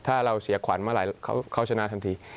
ถ้าเราเสียขวัญเมื่อไหร่เขาชนะทันที